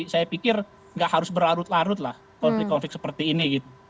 saya pikir nggak harus berlarut larut lah konflik konflik seperti ini